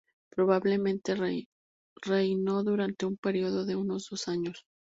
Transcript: Probablemente reinó durante un período de uno a dos años.